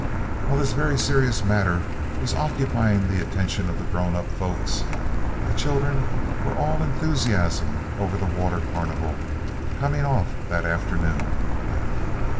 While this very serious matter was occupying the attention of the grown up folks, the children were all enthusiasm over the water carnival, coming off that afternoon.